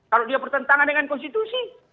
kalau dia bertentangan dengan konstitusi